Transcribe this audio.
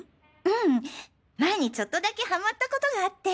うん前にちょっとだけハマったことがあって。